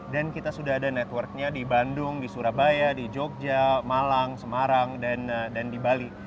dan kita sudah ada network nya di bandung di surabaya di jogja malang semarang dan di bali